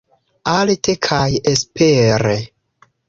Alte kaj espere